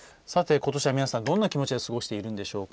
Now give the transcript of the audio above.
ことしは皆さんどんな気持ちで過ごしているんでしょうか。